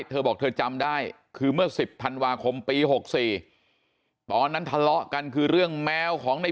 เธอบอกเธอจำได้คือเมื่อ๑๐ธันวาคมปี๖๔ตอนนั้นทะเลาะกันคือเรื่องแมวของใน